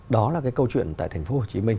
đó là cái câu chuyện tại tp hcm